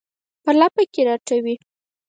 په لپه کې راټوي